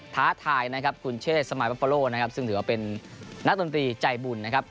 ท้าทายนะครับคุณเชษสมายวัปโปโลนะครับซึ่งถือว่าเป็นนักดนตรีใจบุญนะครับ